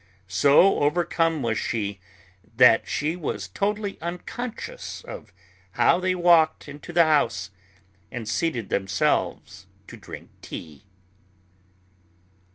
So overcome was she that she was totally unconscious of how they walked into the house and seated themselves to drink tea.